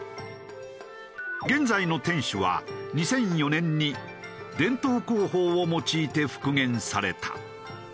現在の天守は２００４年に伝統工法を用いて復元された。